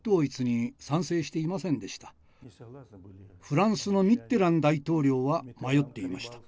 フランスのミッテラン大統領は迷っていました。